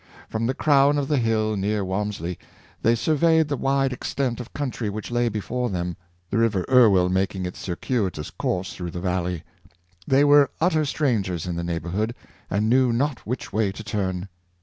From the crown of the hill near Walmesley they surveyed the wide extent of country which lay before them, the river Irwell making its cir cuitous course through the valley. They were utter strangers in the neighborhood, and knew not which way to turn.